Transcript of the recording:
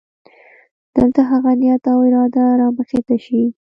دلته هغه نیت او اراده رامخې ته شي.